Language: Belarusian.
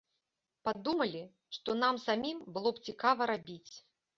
Падумалі, што нам самім было б цікава рабіць.